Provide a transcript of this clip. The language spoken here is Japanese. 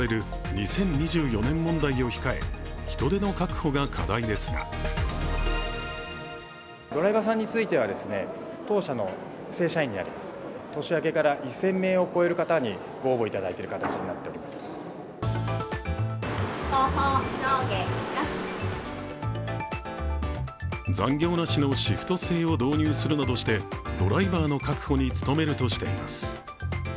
２０２４年問題を控え、人手の確保が課題ですが残業なしのシフト制を導入するなどしてドライバーの確保に努めるとしています。